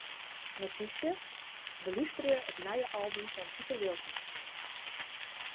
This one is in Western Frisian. Notysje: Belústerje it nije album fan Piter Wilkens.